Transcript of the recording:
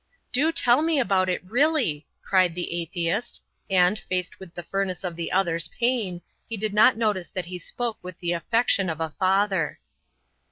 "Do tell me about it, really," cried the atheist, and, faced with the furnace of the other's pain, he did not notice that he spoke with the affection of a father.